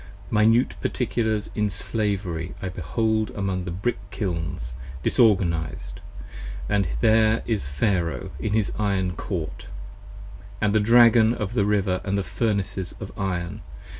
Minute Particulars in slavery I behold among the brick kilns Disorganiz'd, & there is Pharoh in his iron Court: And the Dragon of the River & the Furnaces of iron.